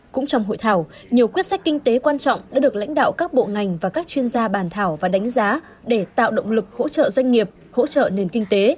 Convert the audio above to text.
cũng trong hội thảo nhiều quyết sách kinh tế quan trọng đã được lãnh đạo các bộ ngành và các chuyên gia bàn thảo và đánh giá để tạo động lực hỗ trợ doanh nghiệp hỗ trợ nền kinh tế